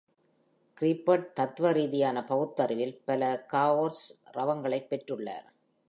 கிரீஃப்ட் தத்துவ ரீதியான பகுத்தறிவில் பல க ors ரவங்களைப் பெற்றுள்ளார்.